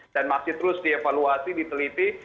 dan masih terus dievaluasi diteliti